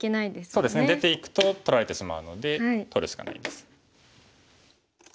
そうですね出ていくと取られてしまうので取るしかないです。